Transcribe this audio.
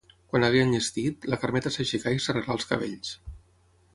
Quan hagué enllestit, la Carmeta s'aixecà i s'arreglà els cabells.